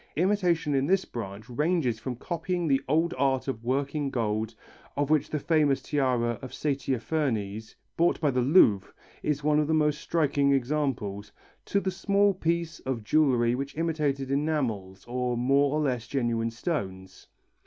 Imitation in this branch ranges from copying the old art of working gold, of which the famous tiara of Saitaphernes, bought by the Louvre, is one of the most striking examples, to the small piece of jewellery with imitated enamels or more or less genuine stones.